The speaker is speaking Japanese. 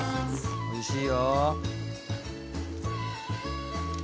おいしいよ。